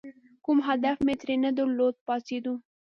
کوم هدف مې ترې نه درلود، پاڅېدو.